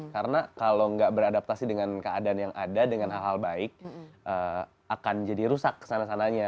karena kalau nggak beradaptasi dengan keadaan yang ada dengan hal hal baik akan jadi rusak sana sananya